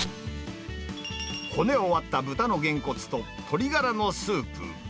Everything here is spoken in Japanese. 骨を割った豚のげんこつと鶏がらのスープ。